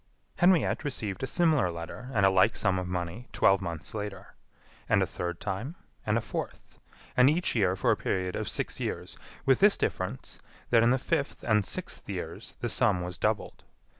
Henriette received a similar letter and a like sum of money twelve months later. And a third time; and a fourth; and each year for a period of six years, with this difference, that in the fifth and sixth years the sum was doubled.